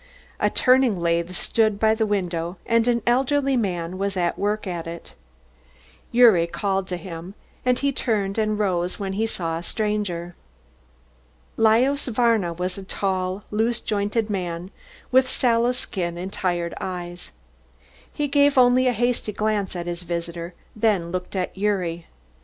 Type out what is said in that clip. A turning lathe stood by the window and an elderly man was at work at it. Gyuri called to him and he turned and rose when he saw a stranger. Lajos Varna was a tall, loose jointed man with sallow skin and tired eyes. He gave only a hasty glance at his visitor, then looked at Gyuri.